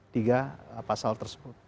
tiga pasal tersebut